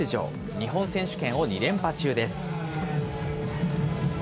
日本選手権を２連覇中です。